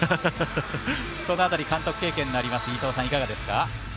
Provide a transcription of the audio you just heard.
その辺り監督経験があります伊東さん、いかがですか？